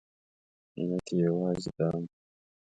علت یې یوازې دا و.